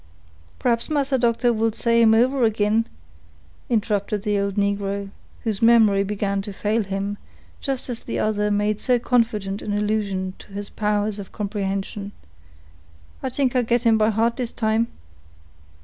"P'r'aps Massa Doctor will say him over ag'in," interrupted the old negro, whose memory began to fail him, just as the other made so confident an allusion to his powers of comprehension. "I t'ink I get him by heart dis time."